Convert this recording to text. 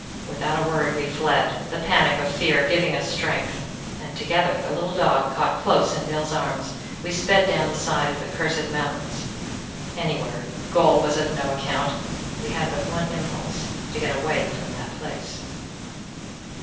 Without a word we fled, the panic of fear giving us strength, and together, the little dog caught close in Nils's arms, we sped down the side of the cursed mountains, anywhere, goal was of no account: we had but one impulse to get away from that place.